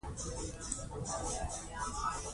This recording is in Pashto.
شونې نه برېښي چې ټولنه داسې بنسټونه رامنځته کړي.